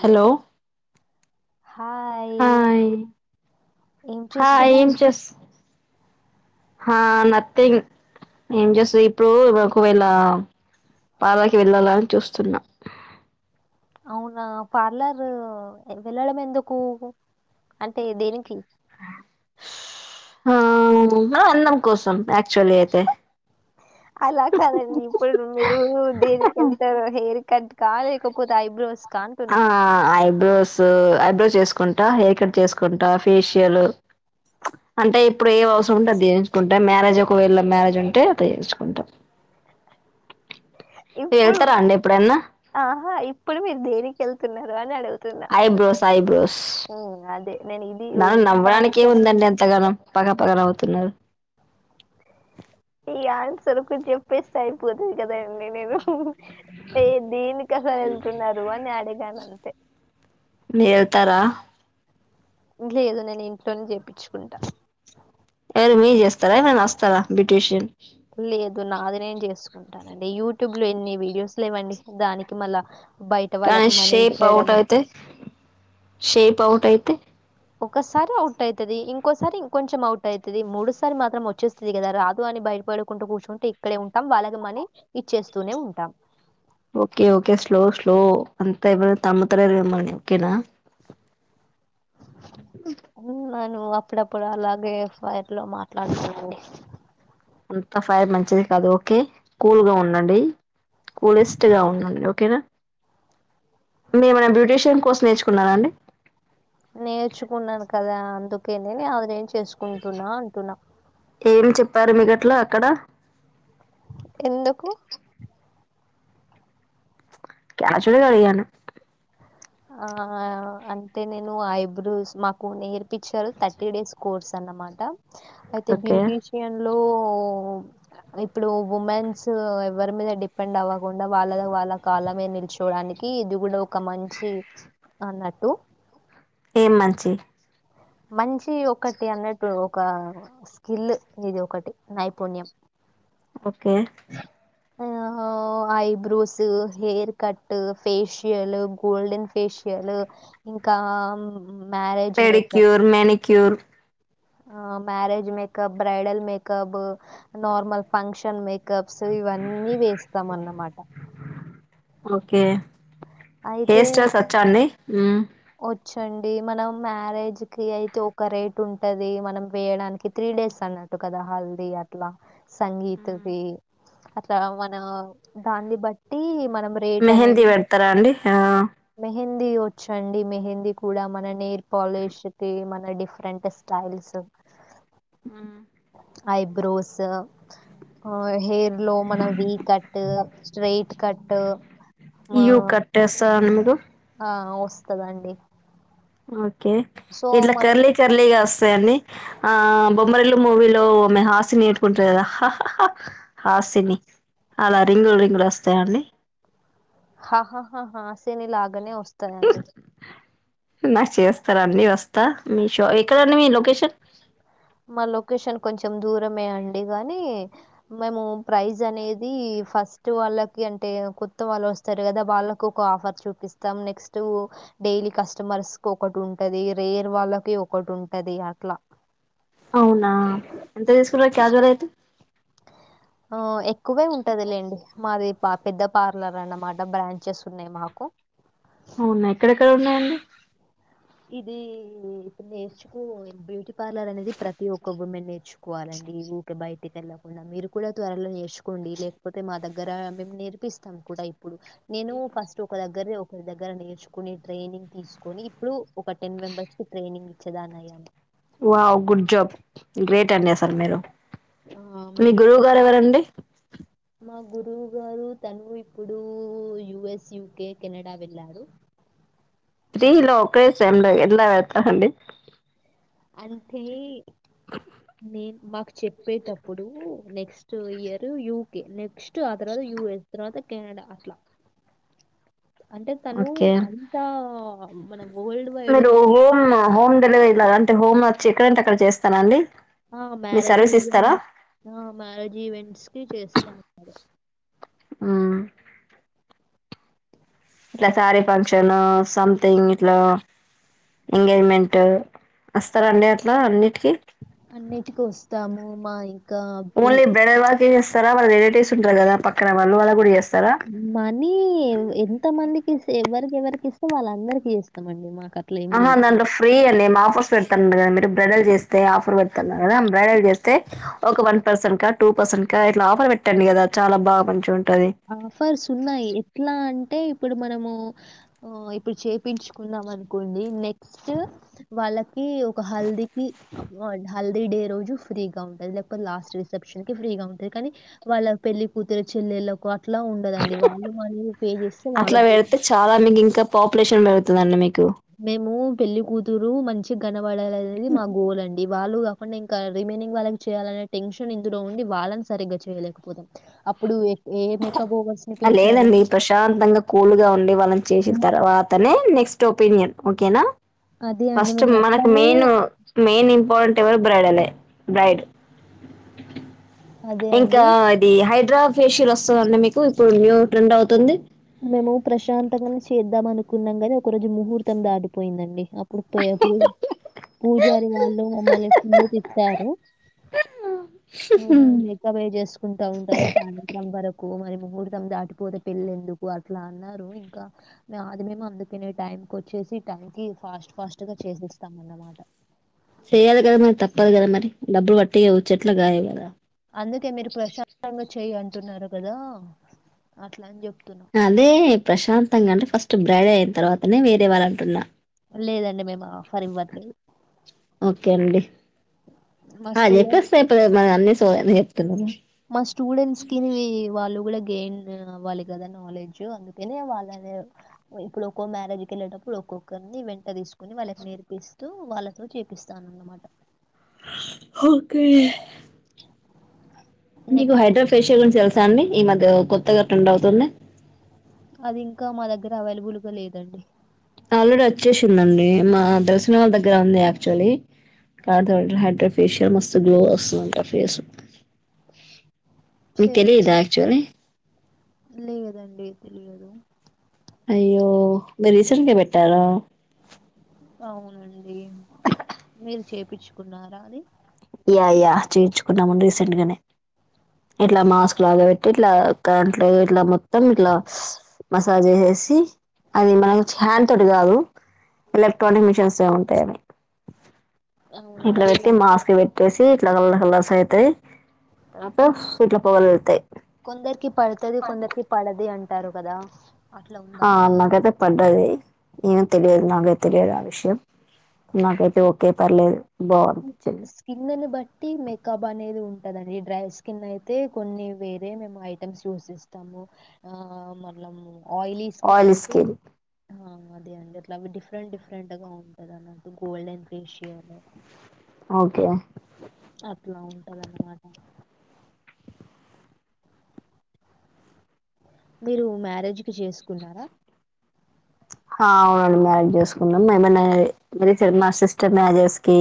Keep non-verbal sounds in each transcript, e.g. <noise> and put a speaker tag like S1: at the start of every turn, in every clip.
S1: Hello
S2: hi
S1: hi
S2: ఏం చేస్తున్నావు
S1: హ నథింగ్ ఏం చేసు ఇప్పుడు మా ఒకవేళ పార్లర్ వెళ్ళాలని చూస్తున్నా
S2: అవునా పార్లర్ వెళ్ళడం ఎందుకు అంటే దేనికి
S1: ఆ అన్నం కోసం యాక్చువల్లీ అయితే
S2: అలా కాదండి ఇప్పుడు మీరు దేనికి వెళ్తారు హెయిర్ కట్ కాల్ లేకపోతే ఐబ్రోస్ కాన్
S1: ఆ ఐబ్రోస్ ఐబ్రోస్ చేసుకుంటా హెయిర్ కట్ చేసుకుంటా ఫేషియల్ అంటే ఇప్పుడు ఏ అవసరం ఉంటే అది చె ఉంటే మ్యారేజ్ ఒకవేళ మ్యారజ్ అట్ల చేపించుకుంటాం
S2: ఇప్పుడు ఆహా ఇప్పుడు మీరు దేని వెళ్తున్నారు అని అడుగుతు
S1: ఐబ్రోస్ ఐబ్రోస్
S2: అదే నేను ఇది
S1: దాంట్లో
S2: యొక్క
S1: నవ్వడానికే ఎం
S2: ఆన్సర్
S1: ఉందండి అంతాగానం పగ పగన నవు <unintelligible>
S2: ఈ ఆన్సర్ ఒకటే చెప్పేస్తే అయిపోతుంది కదండి నేను ఏ దీనికి అసలు వెళ్తున్నారు అని అడిగాను అంతే
S1: మీరు వెళ్తారా
S2: లేదు నేను ఇంట్లోనే చేపించుకుంటా
S1: మీరు చేస్తారా నేను వస్తా బ్యూటీషియన్
S2: లేదు నాది నేం చేసుకుంట ఉంటానండి యూట్యూబ్ లో ఎన్ని వీడియోస్లు లేవ్వండి దానికి మళ్ళా బయట
S1: కానీ
S2: వాళ్ళకి మనీ
S1: షేప్ అవుట్
S2: ఇచ్చేయడమే
S1: అయితే షేప్ అవుట్ అయితే
S2: ఒకసారి అవుట్ అవుతుది ఇంకోసారి ఇంకొంచెం అవుట్ అవుతుది మూడుసారి మాత్రం వచ్చేస్తుంది కదా రాదు అని బయటపడుకుంటూ కూర్చుంటే ఇక్కడే ఉంటాం వాళ్లకి మనీ ఇచ్చేస్తూనే ఉంటాం
S1: ఓకే ఓకే స్లో స్లో అంత తమ్ము లేదు మిమ్మలిని ఓకేనా
S2: అవునా నువ్వు అప్పుడప్పుడు అలాగేఫైర్ లో మాట్లాడుత అండి
S1: అంత ఫైర్ మంచిది కాదు ఓకే కూల్ గా ఉండండి కూలిస్ట్ గా ఉండండి ఓకేనా మే మన బ్యూటీషియన్ కోర్సు నేర్చుకున్నార అండి
S2: నేర్చుకున్నాను కదా అందుకేనే <unintelligible> చేసుకుంటున్నా అంటున్నా
S1: పరిమిగట్ల అక్కడ
S2: ఎందుకు
S1: కౌసల్యా గా అడిగెను
S2: ఆ అంటే నేను ఐబ్రోస్ మాకు నేర్పించారు థర్టీ డేస్ కోర్స్ అనమాట అయితే
S1: ఓకే
S2: బ్యూటీషియన్లు ఇప్పుడు ఇప్పుడు ఉమెన్స్ ఎవరి మీద డిపెండ్ అవ్వకుండా వాళ్ళ వాళ్ళ కళ మీద నిల్చుకోవడానికి ఇది కూడా ఒక మంచి అన్నట్టు
S1: ఏం మంచి
S2: మంచి ఒకటి అన్నట్టు ఒక స్కిల్ ఇది ఒకటి నైపుణ్యం
S1: ఓకే
S2: ఆ eyebrows hair cut facial golden facial ఇంకా మ్యారేజ్ మేకప్
S1: క్యూరు
S2: marriage makeup bridal makeup normal function makeup కప్స్ ఇవన్నీ వేస్తాం అన్నమాట
S1: ఓకే
S2: అయితే
S1: హెయిర్ స్టైల్స్ వచ్చా అండి మ్మ్
S2: వచ్చండి మనం మ్యారేజ్ కి అయితే ఒక రేట్ ఉంటది మనం వేయడానికి త్రీ డేస్ అన్నట్టు కదా హల్దీ అట్లా సంగీత్ వి అట్లా మన దాన్ని బట్టి మన
S1: మెహందీ పెడతారా అండి ఆ
S2: హింది వచ్ చండి మెహందీ కూడా మన నెయిల్ పాలిష్ కి మన డిఫరెంట్ స్టైల్స్
S1: హు
S2: ఐబ్రోస్ ఆ హెయిర్ లో మన వి కట్ స్ట్రైట్ కట్టు
S1: యూకట్టెస్ <unintelligible>
S2: ఆ వస్తదండి
S1: ఓ కే
S2: సో
S1: ఇట్లా
S2: మన
S1: కర్లీ కర్లీగా తాయ్ అన్ని ఆ బొమ్మరీల్లు మూవీలో ఆమె హాసిని ఎట్టుకుంటది కదా హా హా హా హాసిని అలా రింగులు రింగులు వస్తాయ అండి
S2: హాహాహా హాసిని లాగనే వస్ తాయండి
S1: నాకు చేస్తారాండి వస్తా మీ షా ఎక్కడండి మీ లొకేషన్
S2: మా లొకేషన్ కొంచెం దూరమే అండి కానీ మేము ప్రైస్ అనేది ఫస్ట్ వాళ్ళకి అంటే కొత్త వాళ్ళు వస్తారు కదా వాళ్ళకి ఒక ఆఫర్ చూపిస్తాం నెక్స్ట్ డైలీ కస్టమర్స్కి ఒకటి ఉంటది రేర్ వాళ్ళకి ఒకటి ఉంటది అట్ల
S1: అవునా ఎంత తీసుకుటరు క్యాజువల్ అయితే
S2: ఉ ఎక్కువె ఉంటదిలేండి మాది పా పెద్ద పార్లర్ అన్నమాట బ్రాంచెస్ ఉన్నాయి మాకు
S1: అవునా ఎక్కడెక్కడ ఉన్నాయండి
S2: ఇది ఇప్పుడు నేర్చుకో బ్యూటి పార్లర్ అనేది ప్రతి ఒక్క ఉమెన్ నేర్చుకోవాలండి ఊరికె బయటికి వెళ్ళకుండా మీరు కూడా త్వరలొ నేర్చుకోండి లేకపోతె మా దగ్గర మేము నేర్పిస్తాం కూడ ఇప్ ఇప్పుడు నేను ఫస్ట్ ఒక దగ్గరే ఒక దగ్గర నేర్చుకుని ట్రైనింగ్ తీసుకొని ఇప్పుడు ఒక టెన్ మెంబర్స్ కి ట్రైనింగ్ ఇచ్చేదాని అయ్యను
S1: వావ్ గుడ్ జాబ్ గ్రేట్ అండి అస్సల్ మీరు
S2: ఆ
S1: మీ
S2: మీరు
S1: గురువు గారు ఎవరండి
S2: మా గురువు గారు తను ఇప్పుడు యుఎస్ యూకే కెనడా వెళ్ళారూ
S1: ఇలా ఒకే సేమ్ లో ఎట్లా వెలతారండి
S2: అంటే నేను మాకు చెప్పేటప్పుడు next next year UK next ఆ తర్వాత యుఎస్ తర్వాత కెనడ అట్లా అంటే తను
S1: ఓకే
S2: అంతా మనం
S1: మీరు హోమ హోం డెలివరీ లాగ అంటే హోమ్ వచ్చి ఎక్కడంటే అక్కడ చేస్తాన అండి
S2: ఆ
S1: మీ
S2: మ్యారేజ్
S1: సర్వీస్ ఇస్తారా
S2: ఈవెంట్ ఆ మ్యారేజ్ ఈవెంట్స్కి చేస్తాం
S1: ఊ ఇలా శారీ ఫంక్షన్ సంథింగ్ ఇట్లా ఎంగేజ్మెంట్ వస్తారండి అట్లా అన్ని
S2: అన్నటికి వోస్ తాము మా కా పిల్
S1: కే చేస్తారా వాళ రిలేటివ్స్ ఉంటారు కదా పక్కన వాళు వాళ్ళ కూడా చేస్
S2: మనీ ఎంత మందికి ఇస్ ఎవరికి ఎవరికి ఇస్ వాళ్ళందరికీ ఏస్తామండి మా
S1: ఆహా దాంట్లో ఫ్రీ అండి మా ఆఫర్స్ పెడతన్నార్ కదా మీర్ బ్రైడల్ చేస్తే ఆఫర్ పెడతున్నా కదా బ్రైడల్ చేస్తే ఒక వన్ పర్సన్ కా టూ పర్సన్ కా ఇట్ల ఆఫర్ పెట్టండి కదా చాల బాగా మంచిగా ఉ
S2: ఆఫర్స్ ఉన్నాయి ఎట్లా అంటే ఇప్పుడు మనము ఆ ఇప్పుడు చేపించుకున్నాం అనుకోండి నెక్స్ట్ వాళ్ళ కి ఒక హల్దికిప్పు <unintelligible> హల్దీ డే రోజు ఫ్రీ గా ఉంటుంది, లేకపోతే లాస్ట్ రిసెప్షన్ కి ఫ్రీగా ఉంటుంది, కానీ వాళ్ళ పెళ్లి కూతురు చెల్లెళ్ళ అట్లా ఉండదండి వాళ్ళు మనేది పే చేస్తే వాళ్ళ
S1: అట్లా
S2: బూ
S1: పెడితే చాలా మీకు ఇంకా పాపులేషన్ పెరుగుతుందండి మీకు
S2: మేము పెళ్లి కూతురు మంచి కనపడాలి అనేది మా గోల్ అండి, వాళ్ళు కాకుండా ఇంకా రిమైనింగ్ వాళ్ళకి చేయాలనే టెన్షన్ ఇంతలో ఉండి వాళ్ళని సరిగ్గా చేయలేకపోతాం, అప్పుడు ఏ ఎ
S1: లేదండి ప్రశాంతంగా కూల్గా ఉండి వాళ్ళని చేసిన తర్వాతనే నెక్స్ట్ ఒపీనియన్ ఓకేనా
S2: అదే అండి.
S1: ఫస్ట్ మనకు
S2: మేమట్లనే
S1: మెయిన్ మెయిన్ ఇంపా లే బ్రైడల్ బ్రైడ్
S2: అదే
S1: ఇంకా
S2: అండి.
S1: అది హైదరా ఫేషియల్ వస్తుందండి మీకు ఇప్పుడు న్యూ ట్రెండ్ అవుతుంది
S2: మేము ప్రశాంతంగానె చేద్దాం అనుకున్నాం కాని, ఒక రోజు ముహూర్తం దాటిపోయిందండి అప్పుడు పే పి పూజారి వాళ్ళు మమ్మల్ని ఫుల్లు తిట్టారు ఉహు మీ పనే చేసుకుంటా ఉంటారా సాయంత్రం వరకు మరి ముహార్థం దాటిపోతే పెళ్లి ఎందుకు ఓ అట్ల అన్నారు ఇంకా అది మేము అందుకనే టైంకి వచ్చేసి టైం కి ఫాస్ట్ ఫాస్ట్గా చేసిస్తాం అన్నమాట
S1: చెయాలి కదా మరి తప్పదు కదా మరి డబ్బులు పట్టియచ్చ ఎట్లా గాయ కదా
S2: అందుకే మీరు ప్రశాంతంగా చెయ్య అం అంటున్నారు కదా అట్లా అని చె
S1: అదే ప్రశాంత్ గా అంటే ఫస్ట్ బ్రైడ్ అయిన తర్వాతనె వేరె వాల్ అంటున్నా
S2: లేదండి మేము ఫరి ఇవ్వట్లేదు
S1: ఓకే అండి
S2: మా
S1: అ చె
S2: స్టూడెంట్స్
S1: ఎప్పస్తాప్పు మ అ సో
S2: మా స్టూడెంట్స్కి వాళ్లు గెయిన్ అవ్వాలి కదా నాలెడ్జ్ అందుకనే వాళ్ళని, ఇప్పుడు ఒక్కో మ్యారేజ్కి వెళ్ళేటప్పుడు ఒక్కొక్కరిని వెంట తీసుకొని, వాళ్ళకి నేర్పిస్తూ వాళ్ళతో చేపిస్తానున్నమాట
S1: ఒకే
S2: నెక్
S1: మీకు హైడ్రోఫేషియల్ గురించి తెలుసా అండి ఈ మధ్య కొత్త గట్టంవుతుంది
S2: అది ఇంకా మా దగ్గర అవైలబుల్గా లేదండి
S1: ఆల్రెడీ వచ్చేసిందండి మా దర్శనాల దగ్గర ఉంది యాక్చువల్లీ, క హైడ్ర ఫేషియల్ మ గ్లో వస్తుందింట ఫేస్ మీ
S2: చే
S1: తెలిదా ఆక్చువలీ
S2: లేదండి తెలియదు
S1: అయ్యో మీ రీసెంట్ గా పెట్టార
S2: అవునండి మీరు చేయిచ్చుకున్నారా అని
S1: యా యా చేపిచ్చుకున్నా రసెంట్గానే గాట్లా మాస్ లాగా పెట్టి ఇలా కరట్ తమట్లా మసాజ్ చేసేసి అది మనకు హ్యాండ్ తోటి కాదు ఎలక్ట్రానిక్ మిషన్స్ ఏమి ఉంటాయవి
S2: అవునా
S1: ఇక్కడ
S2: అది
S1: వ్యక్తి
S2: మం-
S1: మాస్ వ్య ట్టేసి ఇట్లా క రస అవుతాయి తర్వాత ఇట్ల పొగలు వెళ్తాయి
S2: కొందరికి పడుతుది కొందరికి పడదు అంట అంటారు కదా అట్లా ఉందా
S1: ఆ నాగతే పడది ఏను తెలియదు నాగతే ఒతిరే అర ఆ విశ్యం నాకతే ఓకే పర్లే
S2: స్కిన్నని బట్ ట్టి మేకప్ అనేది ఉంటదండి డ్రై స్కిన్ అయితే కొన్ని వేరే మేము ఐటమ్స్ యూసిస్తాము ఆ మళ్లము ఆయిలీ స్కిన్ అయితే అదే అండి అట్లా డిఫరెంట్ డిఫరెంట్ గా ఉంటది అన్నటు గోల్డెన్ ఫేషియల్
S1: ఓకే
S2: అట్లా ఉంటద అన్నమాట మీరు మ్యారేజ్ కి చేసుకున్నారా
S1: అవునండి మడ్ చేసుకున్నాం ఏమనా మా సిస్టర్ మ్యాజెస్ కి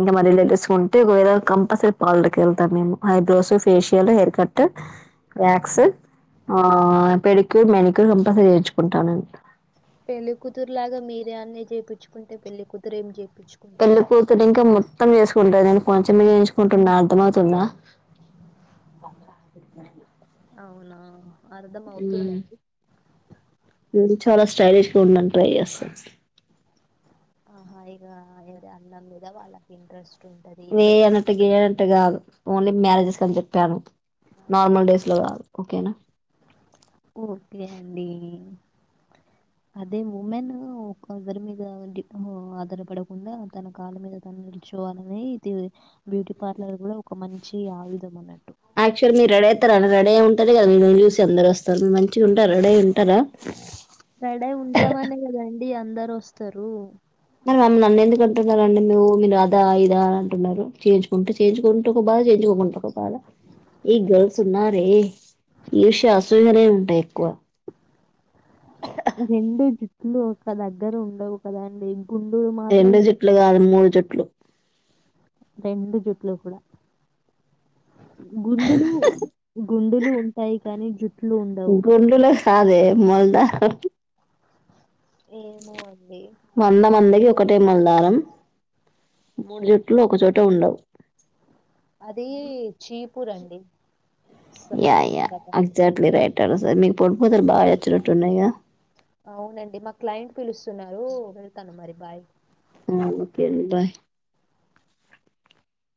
S1: ఇంకా మా రిలేటివ్స్ క ఉంటే ఒకవే కంపల్సరీ పాలటర్కి వెళ్తాం మేము eyebrows facial hair cut wax ఆ పెడిక్యూర్ మెనిక్యూర్ కంపల్సరీ చేర్చుకుంటాన
S2: పెళ్లికతురు లాగా మీరే అన్న చేయిించుకుంటే పెళ్లి కూతురు ఏం చే
S1: పళ్ల పూర్తుడంకా ము తమ కుంటా నేను కొంచెమ ఎయించుకుంటున్నా అర్థ అవుతుందా
S2: అవునా అర్ధం అవుతుందండి
S1: మ చాలా స్టలిష్ సూంటైస్
S2: ఆహా ఇ అ అలం మీద వాళ్ళకి ఇంట్రెస్ట్ ఉంటది
S1: వే
S2: ఇట్లా
S1: అనటు గనంట కాదు ఓన్లీ మ్యారేజెస్ అని చెప్పాను నార్మల్ డేస్ లో కాదు ఓకేనా
S2: ఓకే అండి అదే ఉమెన్ ఒందరి మీద ఆధారపడకుండా తన కాళ్ళ మీద తను నిలుచోవాలని ఇది బ్యూటీ పార్లర్ కూడా ఒక మంచి ఆయుధం అనండి
S1: అడ ఉంటారు కదా చూసి అందరు వస్తారు మంచిగా ఉంటారు అడ ఉంటారా
S2: గడై ఉంటాంనే కదాండి అడి అందరు వస్తారు
S1: మరి మమ్మ నన్ను ఎందుకు అంటున్నండి మవు మీరు అదా ఇదా అ అంటున్నారు చేయించుకుంటూ చేయించుకుంటూ ఒక బాధ చేయించుకోకుంంటూ ఒక బాధ ఈ గర్ల్స్ ఉన్నారే షస్ సూహనే ఉంటాయి ఎక్కువ
S2: రెండు జు ఇట్లు ఒక దగ్గర ఉండవు కదండి గుండులు మాత్రం
S1: రెండు
S2: ఉంటాయి.
S1: జుట్లు కాదు మూడు జుట్
S2: రెండు జుట్లు కూడా గుండే లు గుండేలు ఉంటాయి కానీ జు
S1: గుండెలో సదే మల్ద
S2: ఏమో అండి
S1: వంద మందకి ఒక ఒకటే మల్దారం మూడు జుట్లు ఒకచోట ఉండవు
S2: అది చీప్ పరండి
S1: యా యా ఎక్జాట్లీ రైట్ పెారా సార్ మీకు పడిపోత బాగా ఎచ్చినట్టున్నాయి
S2: అవునండి మా క్లయింట్ పిలుస్తున్నారు వెళ్తాను మరి బాయ్
S1: ఆ ఓకేండి బాయ్